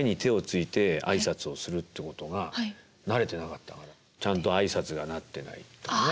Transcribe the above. って事が慣れてなかったからちゃんとあいさつがなってないとかね。